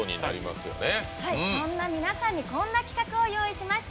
そんな皆さんにこんな企画を用意しました。